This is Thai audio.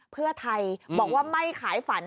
เพื่อไทยบอกว่าไม่ขายฝัน